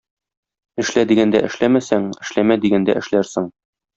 Эшлә дигәндә эшләмәсәң, эшләмә дигәндә эшләрсең.